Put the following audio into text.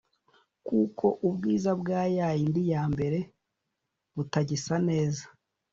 kuko ubwiza bwa ya yindi ya mbere butagisa neza